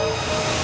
oleh karena sama